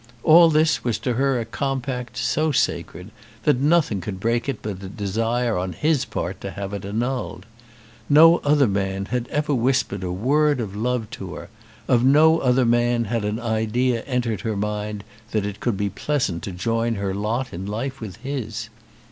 All this was to her a compact so sacred that nothing could break it but a desire on his part to have it annulled. No other man had ever whispered a word of love to her, of no other man had an idea entered her mind that it could be pleasant to join her lot in life with his.